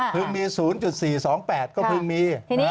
เพิ่งมี๐๔๒๘ก็เพิ่งมี